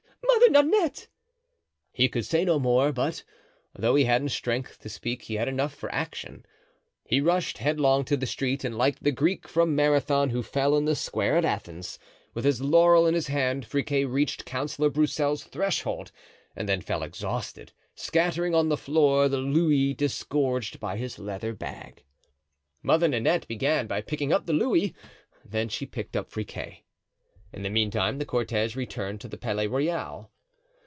Mother Nanette!" He could say no more; but though he hadn't strength to speak he had enough for action. He rushed headlong to the street, and like the Greek from Marathon who fell in the square at Athens, with his laurel in his hand, Friquet reached Councillor Broussel's threshold, and then fell exhausted, scattering on the floor the louis disgorged by his leather bag. Mother Nanette began by picking up the louis; then she picked up Friquet. In the meantime the cortege returned to the Palais Royal.